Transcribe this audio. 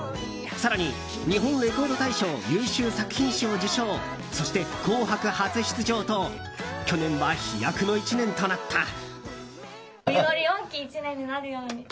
更に、日本レコード大賞優秀作品賞受賞そして「紅白」初出場と去年は飛躍の１年となった。